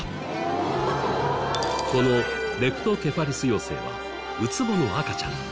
このレプトケファルス幼生はウツボの赤ちゃん。